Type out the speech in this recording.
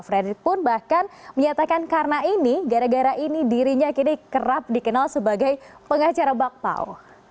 frederick pun bahkan menyatakan karena ini gara gara ini dirinya kini kerap dikenal sebagai pengacara bakpao